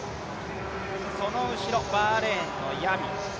その後ろ、バーレーンのヤビ。